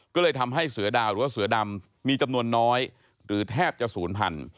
ก็เลยทำให้เสือดาวหรือว่าเสือดำมีจำนวนน้อยหรือแทบจะศูนย์พัน